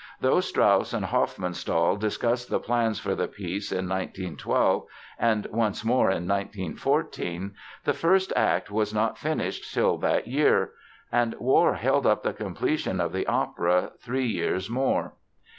Though Strauss and Hofmannsthal discussed the plans for the piece in 1912 and once more in 1914 the first act was not finished till that year; and war held up the completion of the opera three years more.